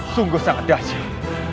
sungguh sangat dahsyat